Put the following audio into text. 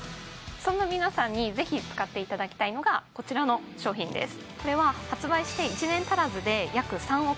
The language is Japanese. そんな皆さんにぜひ使っていただきたいのがこちらの商品です